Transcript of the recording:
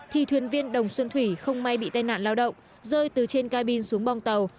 thì thuyền viên đồng xuân thủy không may bị tai nạn lao động rơi từ trên ca bin xuống bong tàu